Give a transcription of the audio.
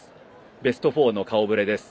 ベスト４の顔ぶれです。